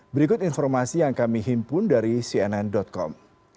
berikut informasi yang kami himpun dari cnn com